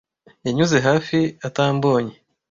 Yanyuze hafi atambonye.